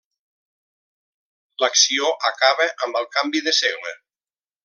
L'acció acaba amb el canvi de segle.